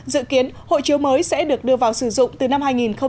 dự kiến hội chiếu mới sẽ được đưa vào sử dụng từ năm hai nghìn hai mươi